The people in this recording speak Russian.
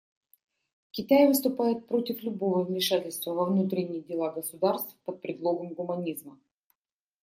Китай выступает против любого вмешательства во внутренние дела государств под предлогом гуманизма.